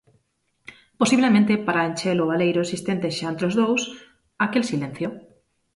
Posiblemente pra enche-lo baleiro existente xa entre os dous, aquel silencio.